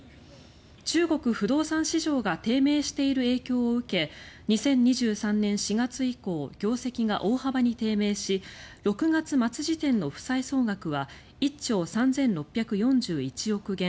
中国不動産市場が低迷している影響を受け２０２３年４月以降業績が大幅に低迷し６月末時点の負債総額は１兆３６４１億元